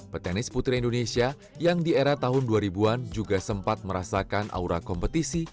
petenis putri indonesia yang di era tahun dua ribu an juga sempat merasakan aura kompetisi